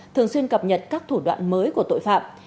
thường xuyên cập nhật các thủ đoạn mới của tội phạm